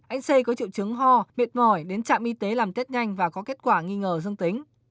anh xây có triệu chứng ho mệt mỏi đến trạm y tế làm tết nhanh và có kết quả nghi ngờ dương tính